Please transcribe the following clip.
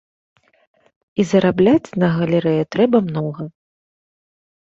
І зарабляць на галерэю трэба многа.